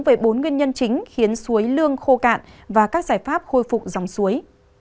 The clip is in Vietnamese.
với bốn nguyên nhân chính khiến suối lương khô cạn và các giải pháp khôi phục dòng suối